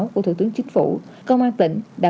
của thủ tướng chính phủ đồng nai và thành phố biên hòa